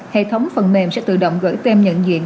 hệ thống phần mềm sẽ tự động gửi tem nhận diện